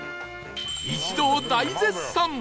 一同大絶賛！